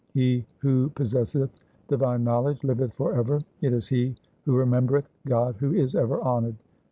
He who possesseth divine knowledge liveth for ever ; it is he who remembereth God who is ever honoured.